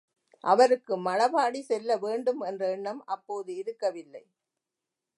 அவருக்கு மழபாடி செல்ல வேண்டும் என்ற எண்ணம் அப்போது இருக்கவில்லை.